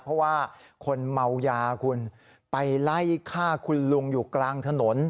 เพราะว่าคนเมายาคุณไปไล่ฆ่าคุณลุงอยู่กลางถนน